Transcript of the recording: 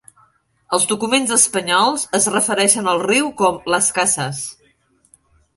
Els documents espanyols es refereixen al riu com Las Casas.